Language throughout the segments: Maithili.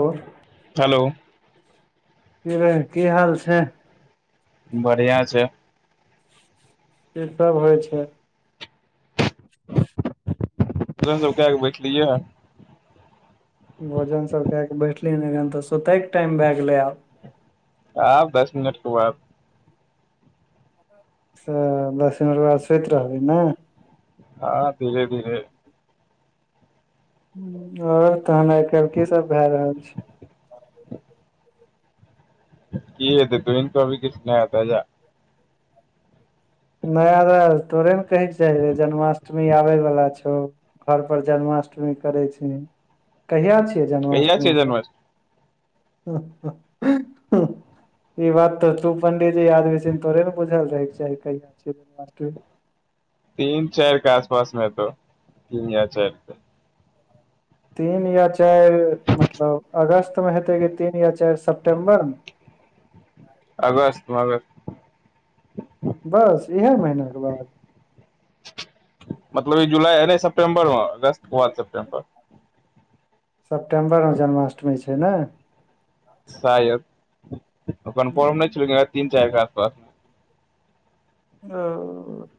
हेलो हेलो कि रे की हाल छै बढ़िया छै कि सब होइ छै तुरंत [unintelligible] बैठलियै हँ भोजन सभ कए कऽ बैठलियै एखन तऽ सुतयके टाइम भए गेलै आब आब दस मिनट कऽ बाद सेह दस मिनट कि बाद सुइत रहबी ने हँ धीरे धीरे आओर तहन आइ काल्हि की सब भए रहल छै की हते तोहि नहि अभी किछु कबहि नाया ताजा नय र तोरे ने कहैके चाहबे जन्माष्टमी आबे बला छौ घर पर जन्माष्टमी करै छै कहिया छियै कहिया छै जन्माष्टमीसँ जन्मष्टमी [unintelligible] ई बात तऽ तू पंडितजी आदमी छिही तोरे ने बुझल रहे के चाही कहिय तीन चार के आस पास मे हेतो तीन या चार कऽ तीन या चारि मतलब अगस्त मे हेतै कि तीन या चारि सेप्टेम्बरमे अगस्त मे बस इहाय महीनाके बाद मतलब ई जुलाइ अ सेप्टम्बरमे अगस्त कऽ बाद स सेप्ेम्बर सेप्टेम्बरमे जन्माष्टमी छै नऽ शायद ओन परम नहि छल ती चारि के आसपास ओ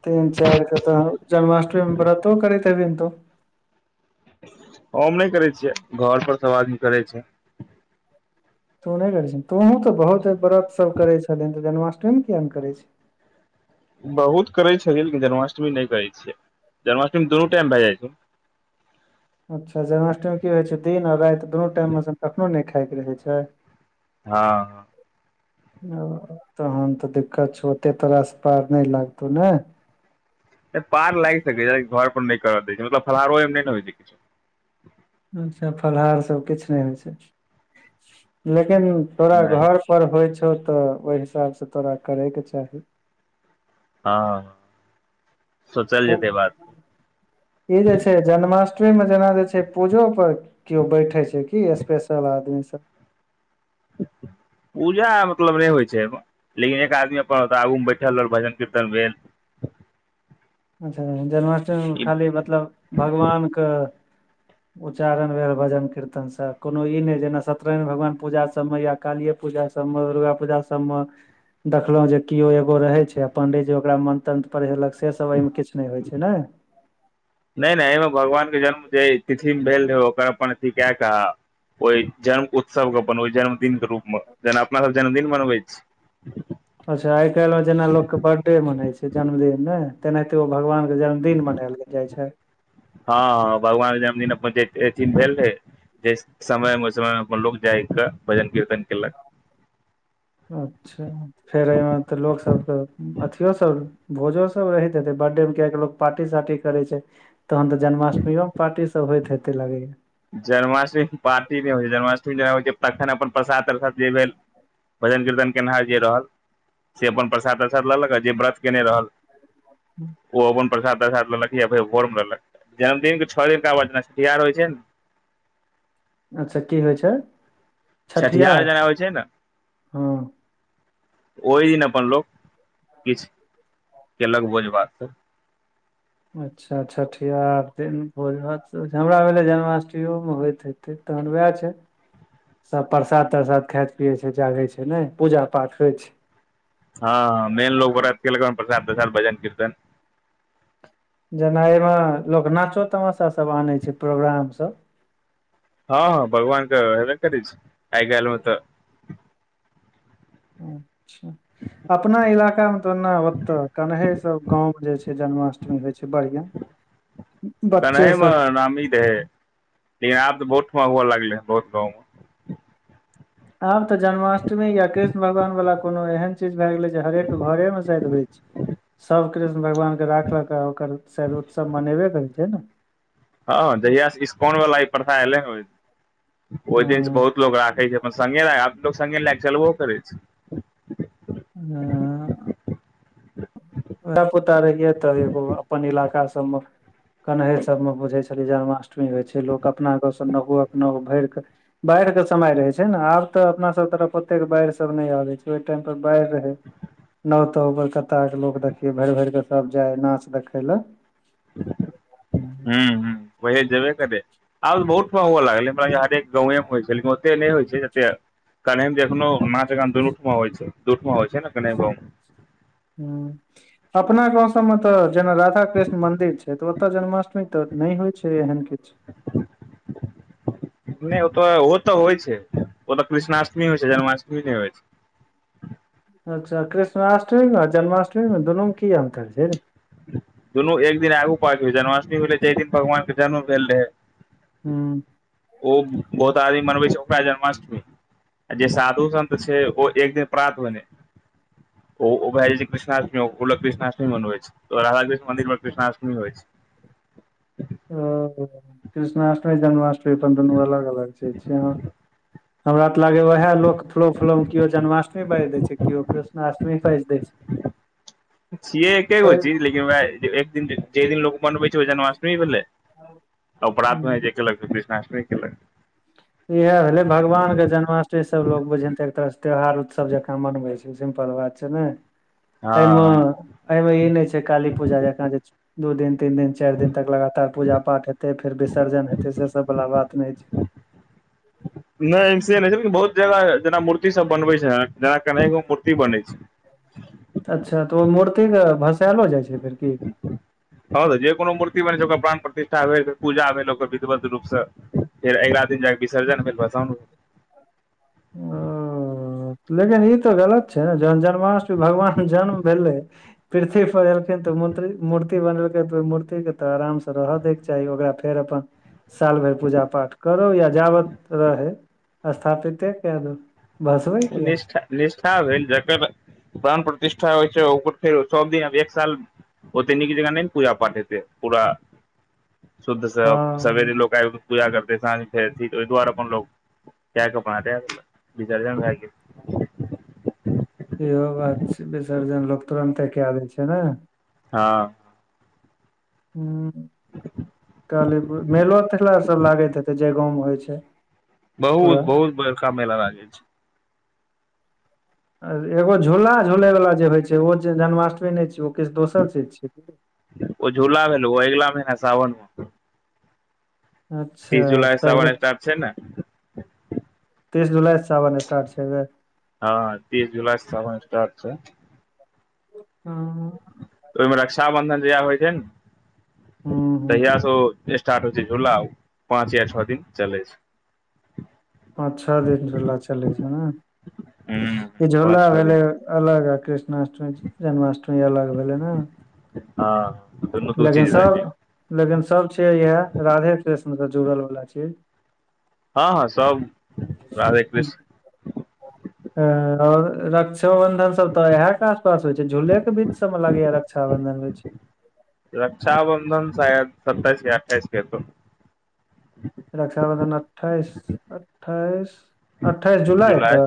तीन चार क तऽ जन्माष्टमीमे व्रतो करैत हेभिन तू हम नइ करे छियै घर पर सब आदमी करै छै तू नइ करै छीन तोहूँ तऽ बहुत व्रतसभ करै छलन्हि तऽ जन्माष्टमीमे किया ने करै छी बहुत करे छैलिए लेकिन जन्माष्टमी नइ करे छियै जन्माष्टमी दुनू टाइम भए जाइ छै अच्छा जन्माष्टमी की होइ छै दिन आ राईत दुनू टाइम मे स कखनहु नय खायके रहै छै हँ तहन तऽ दिक्कत छौ ओते तोरास पार नय लागतौ ने पार लाइग सकैय [unintelligible] घर पर नय कर दै छै मतलब फलहारो नय ने होइ छै किछु अच्छा फलाहार सब किछ नइ होइ छै लेकिन तोरा नहि घर पर होइ छौ तऽ ओइ हिसाब से तोरा करे के चाही हँ सोचल ओ जेतै बाद ई जे छै जन्माष्टमी मे जेना जे छै पूजो पर केओ बैठे छै की स्पेशल आदमी सब पूजा मतलब नइ होइ छै ऐम लेकिन एक आदमी अपन आगूमे बैठल रहल भजन कीर्तन भेल अच्छा जन्माष्टमीमे ई खाली मतलब भगवान कऽ उच्चारण भेल भजन कीर्तन स कोनो ई नय जेना सत्य नारायण भगवान पूजा सबमे या कालिए पूजा सभम दुर्गा पूजा सभम देखलो जे केओ एगो रहे छै पंडितजी ओकरा मंत्र तंत्र पढ़ेलक से स ब एहिमे किछ नइ होइ छै ने नय नय एइमे भगवानके जन्म जे तिथिमे भेल रहै ओकर अपन अथी कए कऽ ओइ जन्म उत्सवक अपन ओइ जन्मदिनक के रूपमे जेना अपना सब जन्मदिन मनबै छी अच्छा आइ काल्हि मे जेना लोकके बर्थडे मनै छै जन्मदिन ने तेनाहिते ओ भगवान जन्मदिन मनायल गे जाइ छै हँ भगवान जन्मदिन [unintelligible] ऐथी म भेल रहे जे स समय मे उ समय मे अपन लोग जाइग क भजन कीर्तन केलक अच्छा फेर एहिमे तऽ लोकसभके अथियो सब भोजो सब रहेत हैते बर्थडे में कियाकी लोग पार्टी सार्टी करै छै तहन तऽ जन्माष्टमीओ म पार्टी सब होइत हेते लगैया जन्माष्टमी में पार्टी नइ होइ छै जन्माष्टमी जे [unintelligible] होइ छै तखन अपन प्रसाद तरसाद जे भेल भजन कीर्तन केनहार जे रहल से अपन प्रसाद तर साद लेलक जे व्रत केने रहल ओ अपन प्रसाद तरसाद लेलक य भोरमे लल्लक जन्मदिन के छओ दिनका बाद जेना छठियार होइ छै ने अच्छा की होइ छै छठिहार छठियार जेना होइ छै ने हँ ओइ दिन अपन लोक किछ केलक भोज भात सब अच्छा छठियार दिन भोज भात सब होइ छै हमरा भैले जन्माष्टमीओ मे होइत हेते तहन वएह छै सब प्रसाद तरसाद खाइत पियै छै जागै छै ने पूजा पाठ होइ छै हँ मेन लोग बड़ा [unintelligible] खियलक प्रसाद तारसाद भजन कीर्तन जेना ऐम लोक नाचो तमाशा सब आनय छै प्रोग्राम सब हँ हँ भगवान क हैबे करे छै आइ कइलमे तऽ अच्छा अपना इलाका मे त ओना ओते कनहैंइ सब गांव में जे छै जन्माष्टमी होय छै बढ़ियां [inaudible] बच्चे कनहैए म से नामी रहै लेकिन आबत बहुठुमा हुअ लगलैह बहुत गाँव म आब तऽ जन्माष्टमी या कृष्ण भगवान वाला कोनो एहन चीज भय गेले जे हरेक घरे म शायद होइ छै सभ कृष्ण भगवान के राखल कऽ ओकर शायद उत्सव मनेबे कर छै ने हँ जहिया से इस्कॉन वाला ई प्रथा एले हैं ओहि दिन से हँ बहुत लोग राखे छै। स लोकग सङगे नहि चल ओ करै छै ह धिया पुता रहिय तऽ एगो अपन इलाका सभ मे कनहै सभ मे बुझे छले जन्माष्टमी कऽ होइ छै लोक अपना गावसँ नो न भरि कऽ बाढ़िक के समय रहे छै ने आब तऽ अपना सभ तरफ ओतेक बाढ़ि सभ नहि आबे छै ओहि टाइम पर बाढ़ि रहे नओ ताव कलकत्ताके लोक देखियै भरि भरि कऽ सभ जाइ नाच देखय लए ह वह जेबे करे आब तऽ बहुत हुव लागलै हमरा हरेक एम होइैल एते नहि होइ छै एते कने देखनो माचान दुनूठमा होइ छै दू ठमा होइ छै ने कऽ गव ह अपना गाव सभमे तऽ जेना राधा कृष्ण मंदिर छै तऽ ओतय जन्माष्टमी तऽ नहि होइ छै एहन किछु नहि ओ तऽ ओहो तऽ होइ छै ओ त कृष्णाष्टमी होइ छै जन्माष्टमी नहि होइ छै अच्छा कृष्णाष्टमीमे आ जन्माष्टमी मे दुनूमे कि अन्तर छै दुनू एक दिन आगू गेले जन्माष्मी भेले जाहि दिन भगवान के जन्म भेल रहे ह ओ बहुत आदमी मनबै छै ओकऽ जन्माष्टमी जे साधु सन्त छै ओ एक दिन प्राप्त होने। ओ भए जा छै कृष्णअष्मी कृष्णअष्मी छै राधाृकष्ण मन्दि पर कृष्णाष्टमीइ छै। ओ कृष्णाष्टमी जन्माष्टमी अपन दुनू अलग अलग चज छैह हमरा त लागे उएह लोक थोड़ो देखल मे केओ जन्माअष्टी बाजि देय छै केओ कृष्णअष्टमी बाजि देय छै। सि एके हो तऽ लेकिन एक दिन जे दिन लऽ मनबै छै ओ जन्माष्टमी भेले अपरात मे ह जे केलक कृष्णाष्टमी केलक इएह भेले भगवान के जन्माष्टमी सबो बझ एक तरह त्यौहार उतसव जकाँ मनबै छै सिम्पल बात छै न हँ एहिमे एहिमे ई नहि छै काली पूजा जका जे दू दिन तीन दिन चारि दिन तक लगातार पूजा पाठ हेतै फेर विसर्जन हेतै सेस भवला बात नहि छै नहि एम सी नहि छैन बहुत जगह जेना मूर्ति सभ बनबे छै जेना कनेगो मूर्ति बनै छै अच्छा तऽ ओ मूर्तिके भसायलो जाइ छै फेर कि ह तऽ जे कोनो मूर्ति बने छै ओकर प्राण प्रतिष्ठा भेल पूजा भेल ओकर विधवत रूपसँ फेर अगिला दिन जाके विसर्जन भेल ओ लेकिन ई त गलत छै ने जन जान जष भगवान जन्म भेलै पृथ्वी पर एलखिन तऽ ओ मन्त्र मूर्ति बनेलकै तऽ ओहि मूर्तिके तऽ आरामसँ रहऽ दैके चाही ओकरा फेर अपन साल भरि पूजा पाठ करू या जाब तऽ रहै स्थापिते कए दो निष्ठा। निष्ठा भेल जकर प्राण प्रतिष्ठा होइ छै ओकर फेर सभ दिनब एक साल ओते नीक जकाँ नहि नइ पूजा पाठ हेते पूरा शुद्ध सँ हँ सवेरे लोक आबि पूजा करते साँझ फेर तऽ ओहि दुआरे अपन लो के अपनाे विसर्जन भ [unintelligible] इहो बात छै विसर्जन लोक तुरन्ते कए दै छै न हँ हु [inaudible] कालीप मेलो तेला सब लागैत हेते जे गाँव मे होइ छै पूरा बहुत बहुत बरका मेला लागे छैय एगो झूला झूलैवला जे होइ छै ओ जे जन्माष्टमी नै छै ओ किछ दोसर चीज छियै ओ झूला भेलो ओ अगला महिना सावन म अच्छ तीस जुलाई सावन [unintelligible] स्टार्ट छै ने तीस जुलाई स सावन स्टार्ट छैेय अई बेर हँ तीस जुलाई स सावन स्टार्ट छैय हँ ओइम रक्षााबंधन जहिया होइ छै न [inaudible] ह्म ह तहिया से ओ स्टार्ट होइ छैय झुला पाँच या छ दिन चलै छै पाँच छ दिन झुला चलै छैय नै ह [inaudible] ई झुला पाँच छओ दिन भेलै अलग आ कृष्णाष्टमी जन्माष्टमी अलग भेलै न हँ दुनू दू लेकिन चीज भए गेलै सभ लेकिन सभ छैय इहै राधे कृष्ण स जुड़ल बला चीज हँ हँ सब राधे [unintelligible] हऽ कृष्ण और रक्ष रक्ष बंधन सब तऽ इहै कऽ आसपास होय छै झूल केँ बीच सब मे लगे या रक्षा बंधन होय छै रक्षााबन्धन शायद सत्ताइस या अठाइस कऽ हेतउ [inaudible] रक्षाबंधन अठाइस अठाइस अठाइस जुलाई कऽ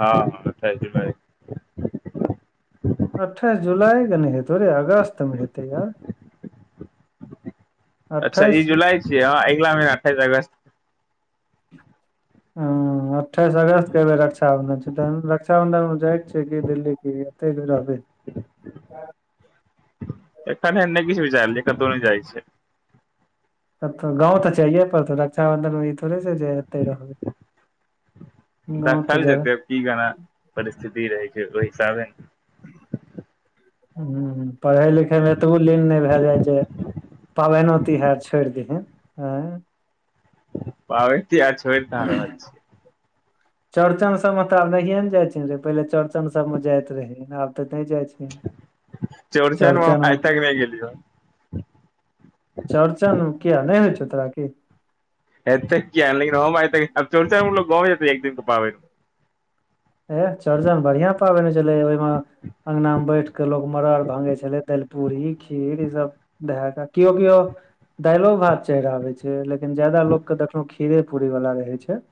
हँ अठाइस जुलाई अठाइस जुलाई कऽ नै हेतौ रे अगस्त मे हेतै यार [inaudible] अच्छा ई अठाइस जुलाई छियै ह अगिला महिना अठाइस अगस्त ह अठाइस अगस्त कऽ रक्षााबंधन छै तहन रक्षााबंधन म जा छै की दिल्ली की एते रहबै [unintelligible] एखन एहन नै किछ विचारल कतौ नै जाइ छै कतो गाँव तऽ जाइए परतो रक्षााबंधन में ई थोड़े छै जे एते रहबै गाँव तऽ देखल जेबै जेतै की केना परिस्थिति रहै छै ओइ हिसाबे न [unintelligible] पढ़य लिखयमे एतबो लीन नै भैए जाइ जे पाबैनो तिहार छोड़ दिहन [unintelligible] पावैन तिहार छोइर कहा रहल छियै चौरचन सब म तऽ आब नहिये न जाय छीही पहिले चौड़चन सब म जायत रही आब तऽ नै जाय छीही [inaudible] चौरचन मे हम आइताक नै गेलियो है [inaudible] चौरचन किया नै होइ छौ तोरा की हेतै किया नै लेकिन हम आइ तक चोरचन मे गाँव जेतइ एक दिन कऽ पाबैन म ऐह चौड़चन बढ़िया पाबैन होइ छलै ओहिमे अंगना मे बैठ कऽ लोग मड़ड़र भांगे छले तै पूी खीर ई सब धै कऽ केओ केओ दालियो भात चढ़ आबे छै लेकिन लेकिन ज्यादा लोक कऽ देखलो खीरे पूरी वाला रहै छै [inaudible]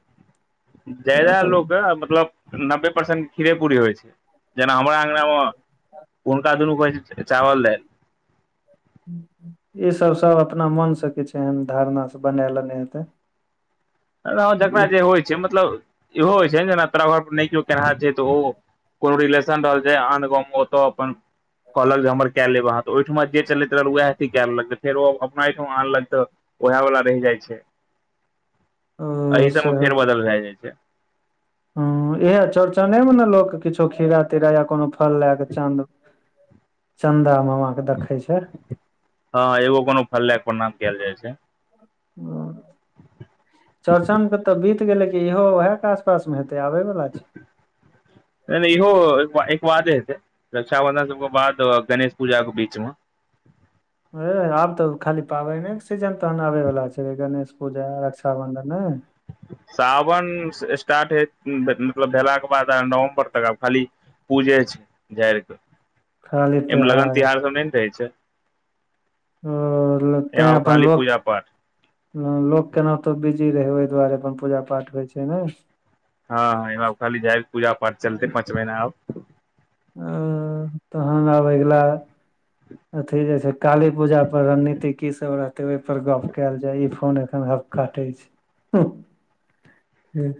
ज्यादा मतलब लोक मतलब नब्बे परसेंट खीरे पूरी होइ छै [inaudible] जेना हमरा अंगना म हुनका दुनु कऽ होय छै चावल दैल [inaudible] ईसभ सभ अपना मन स किछ एहन धारणासँ बना लेने हेतै जकरा जे होइ छै मतलब इहो होइ छै न जेना तोरा घर पर नै केओ केनाहार छै तऽ ओ कोनो रिलेशन रहल छै आन गाँव ओतौ अपन कहलक जे हमर कए लेब अहाँ तऽ ओइठमा जे चलैत रहल उएह अथी कए लेलक तऽ फेर ओ अपना ओइठमा आनल कऽ तऽ ओएह वला रहि जाइ छै एहि ओ सब म फेर बदल भए जाइ छै। ह इह चौड़चने मे ने लक किछो खीरा तीरा या कोनो फल लए कऽ चांद। चन्दा मामा के देखै छैय। हँ एगो कोनो फल लऽक‌ऽ परनाम कैल जाइ छै। ओ चौरचन के तऽ बीत। गेले की इहो ओएह के आसपास मे हेतै आबे बला छैय। नै नै इहो ऐके एके बादे हेतै। रक्षाबंधन सबके बाद आ गणेश पूजा के बीच मे ए आब तऽ खाली पाबैने क सीजन तहन आबैवला छैय गणेश पूजा रक्षााबन्धन नैय। सावन स्टार्ट मतलब भेलाके बाद आब नवम्बर तक खाली। पूजे छै झारि खाली कऽ ऐमे लगन त्योहार तिहार सब नैय ना रहै छैय। ओ ऽ लगतै अपन खाली लोक। पूजा पाठ लोक केना तऽ बिजी रहै ओहि दुआरे अपन पूजा पाठ होइ छैय ने। हँ ह ऐमे आब खाली झारि के पूजा पाठ चलते पाँच महीना आब। आ ऽ तहन आब अगिला अथी जै छैय। काली पूजा पर रणनीति की सब रहतै ओहि पर गप कैयल जाय ई फोन एखन हम काटै छी। हूंह जे